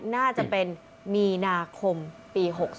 น่าจะเป็นมีนาคมปี๖๓